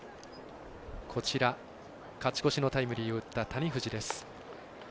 勝ち越しのタイムリーを打った谷藤です。